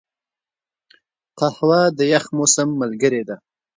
قهوه د یخ موسم ملګرې ده